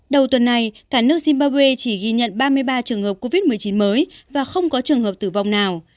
đầu tuần này cả nước zimbawe chỉ ghi nhận ba mươi ba trường hợp covid một mươi chín mới và không có trường hợp tử vong nào